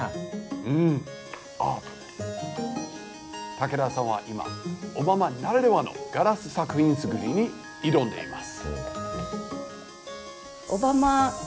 竹田さんは今小浜ならではのガラス作品づくりに挑んでいます。